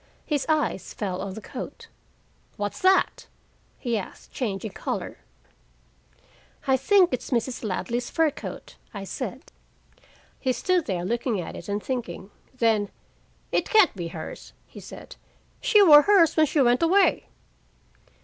His eyes fell on the coat. "What's that?" he asked, changing color. "I think it's Mrs. Ladley's fur coat," I said. He stood there looking at it and thinking. Then: "It can't be hers," he said. "She wore hers when she went away."